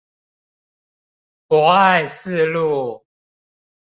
博愛四路